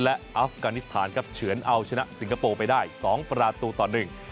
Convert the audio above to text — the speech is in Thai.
และอัฟกานิสถานครับเฉือนเอาชนะสิงคโปร์ไปได้สองประตูต่อหนึ่ง